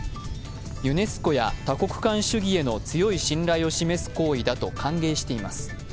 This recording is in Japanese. ユネスコや多国間主義への強い信頼を示す行為だと歓迎しています。